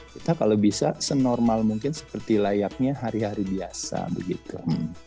kita kalau bisa senormal mungkin seperti layaknya hari hari biasa begitu